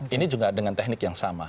ini juga dengan teknik yang sama